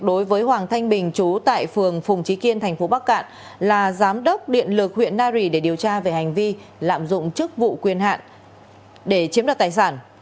đối với hoàng thanh bình chú tại phường phùng trí kiên thành phố bắc cạn là giám đốc điện lực huyện nari để điều tra về hành vi lạm dụng chức vụ quyền hạn để chiếm đoạt tài sản